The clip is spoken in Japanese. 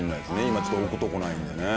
今ちょっと置くとこないんでね。